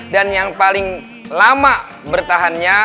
dan yang paling lama bertahannya